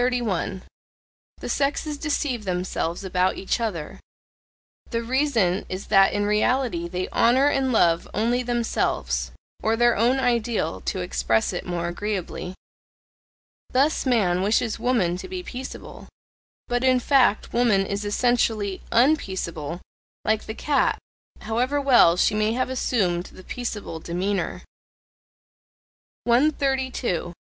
The sexes deceive themselves about each other: the reason is that in reality they honour and love only themselves (or their own ideal, to express it more agreeably). Thus man wishes woman to be peaceable: but in fact woman is ESSENTIALLY unpeaceable, like the cat, however well she may have assumed the peaceable demeanour. 132.